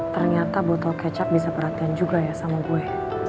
ternyata botol kecap bisa perhatian juga ya sama gue